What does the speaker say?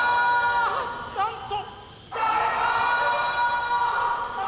なんと。